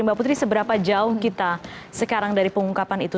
mbak putri seberapa jauh kita sekarang dari pengungkapan itu